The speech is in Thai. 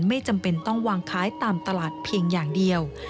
ไม่จำเป็นต้องวางขายตามตลาดเพียงอย่างเดียว